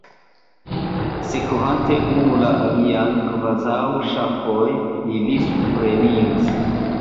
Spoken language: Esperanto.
Sekvante unu la alian kvazaŭ ŝafoj, ili supreniris.